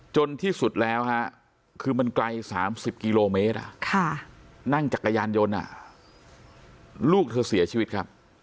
จนที่สุดแล้วคือมันไกล๓๐กิโลเมตรนั่งจักรยานยนต์ลูกเธอเสียชีวิตครับ